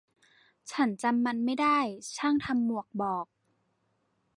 ฉันจำมันไม่ได้ ช่างทำหมวกบอก